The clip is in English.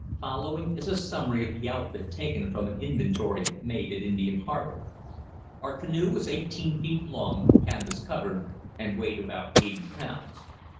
Following is a summary of the outfit taken from an inventory made at Indian Harbour: Our canoe was 18 feet long, canvas covered, and weighed about 80 pounds.